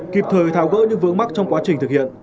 kịp thời tháo gỡ những vướng mắt trong quá trình thực hiện